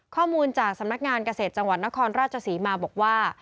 ข้อมูลจากสำนักงานเกษตรจังหวัดนครราชศรีมาบอกว่า